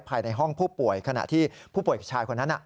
ภายในห้องผู้ป่วยขณะที่ผู้ป่วยชายคนนั้น